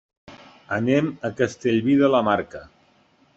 Anem a Castellví de la Marca.